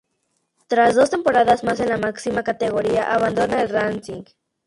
Tras dos temporadas más en la máxima categoría abandona el Racing.